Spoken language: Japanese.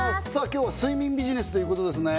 今日は睡眠ビジネスということですね